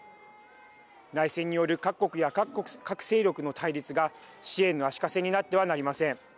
内戦による各国や各勢力の対立が支援の足かせになってはなりません。